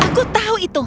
aku tidak akan mencarimu